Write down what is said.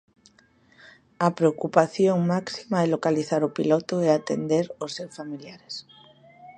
A preocupación máxima é localizar o piloto e atender os seus familiares.